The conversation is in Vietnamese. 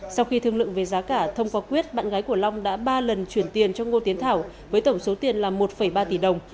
sau khi thương lượng về giá cả thông qua quyết bạn gái của long đã ba lần chuyển tiền cho ngô tiến thảo với tổng số tiền là một ba tỷ đồng